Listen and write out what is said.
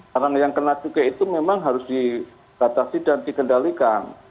barang yang kena cukai itu memang harus di batasi dan dikendalikan